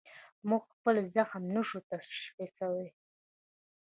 موږ خپل زخم نه تشخیصوو.